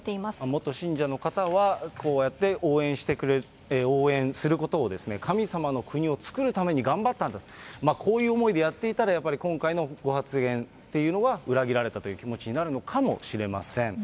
元信者の方はこうやって応援することを神様の国を作るために頑張ったんだと、こういう思いでやっていたら、やっぱり今回のご発言というのは裏切られたという気持ちになるのかもしれません。